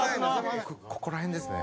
ここら辺ですね。